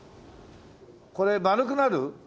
これ丸くなる？